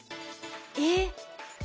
えっ！